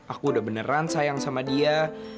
aku udah beneran sayang sama dia